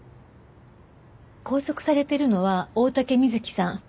拘束されているのは大竹瑞希さん。